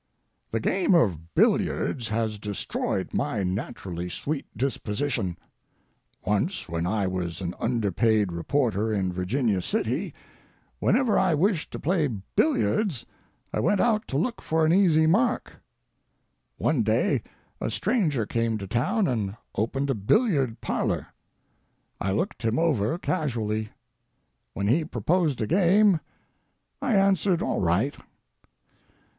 The game of billiards has destroyed my naturally sweet disposition. Once, when I was an underpaid reporter in Virginia City, whenever I wished to play billiards I went out to look for an easy mark. One day a stranger came to town and opened a billiard parlor. I looked him over casually. When he proposed a game, I answered, "All right."